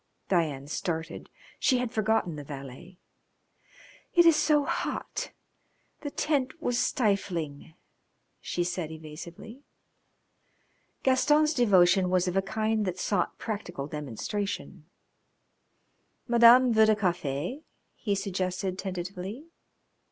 Diana started. She had forgotten the valet. "It is so hot. The tent was stifling," she said evasively. Gaston's devotion was of a kind that sought practical demonstration. "Madame veut du cafe?" he suggested tentatively.